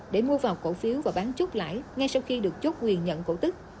để mua vào cổ phiếu và bán chốt lại ngay sau khi được chốt quyền nhận cổ tức